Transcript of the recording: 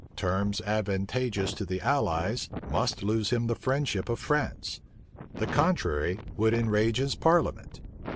Terms advantageous to the allies must lose him the friendship of France: the contrary would enrage his parliament.